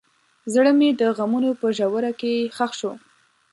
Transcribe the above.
زړه مې د غمونو په ژوره کې ښخ شو.